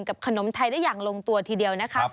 ขนมไทยได้อย่างลงตัวทีเดียวนะคะ